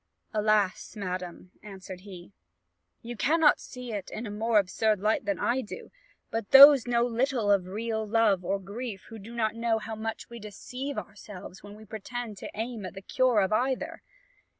"Alas, madam," answered he, "you cannot see it in a more absurd light than I do; but those know little of real love or grief who do not know how much we deceive ourselves when we pretend to aim at the cure of either.